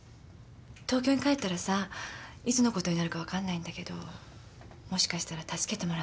東京に帰ったらさいつのことになるか分かんないんだけどもしかしたら助けてもらうかもしんない。